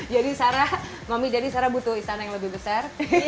jadi sarah mami jadi sarah butuh istana yang lebih besar